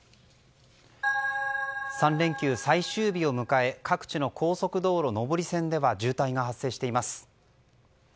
３連休最終日を迎え各地の高速道路上り線では渋滞が発生しています。